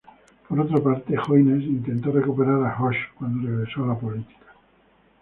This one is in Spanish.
Por otra parte, Hoynes intentó recuperar a Josh cuando regresó a la política.